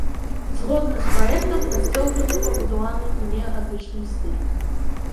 Згодна з праектам, касцёл будзе пабудаваны ў неагатычным стылі.